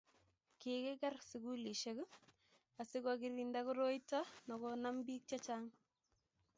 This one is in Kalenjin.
Kikiker sugulisiek asikogirinda koroita komanam bik chechang